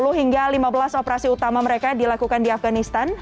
sepuluh hingga lima belas operasi utama mereka dilakukan di afganistan